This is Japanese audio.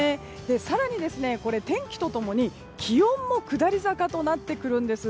更に天気と共に気温も下り坂となってくるんです。